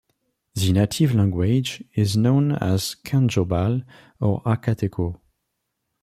The native language is known as Kanjobal or akateco.